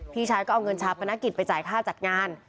พี่ชายก็เอาเงินชาปนกิจไปจ่ายค่าจัดงาน